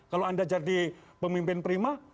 kalau anda jadi pemimpin prima